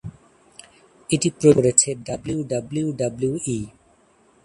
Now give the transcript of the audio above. এটি প্রযোজনা করেছে ডাব্লিউডাব্লিউই।